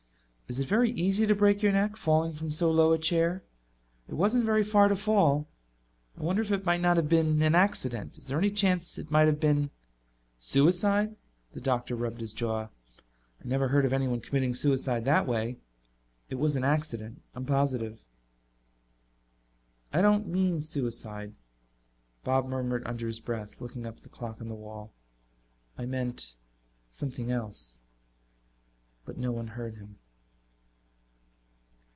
"Is it very easy to break your neck, falling from so low a chair? It wasn't very far to fall. I wonder if it might not have been an accident. Is there any chance it might have been " "Suicide?" the doctor rubbed his jaw. "I never heard of anyone committing suicide that way. It was an accident; I'm positive." "I don't mean suicide," Bob murmured under his breath, looking up at the clock on the wall. "I meant something else." But no one heard him.